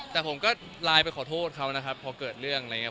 แต่ผมก็ไลน์ไปขอโทษเขานะครับพอเกิดเรื่องอะไรอย่างนี้